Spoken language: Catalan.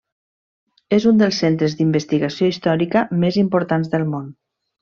És un dels centres d'investigació històrica més importants del món.